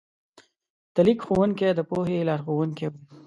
د لیک ښوونکي د پوهې لارښوونکي وو.